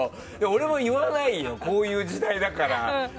俺も言わないよこういう時代だから。